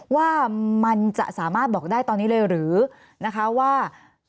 ว่ามันจะสามารถบอกได้ตอนนี้เลยหรือนะคะว่า